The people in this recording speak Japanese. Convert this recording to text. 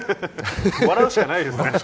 笑うしかないですね。